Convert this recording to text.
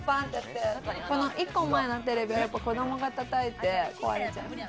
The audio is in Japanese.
１個前のテレビは、子供が叩いて壊れちゃった。